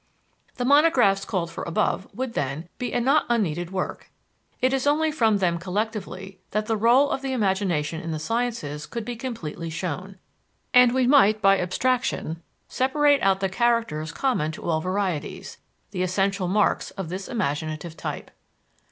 The monographs called for above would, then, be a not unneeded work. It is only from them collectively that the rôle of the imagination in the sciences could be completely shown, and we might by abstraction separate out the characters common to all varieties the essential marks of this imaginative type.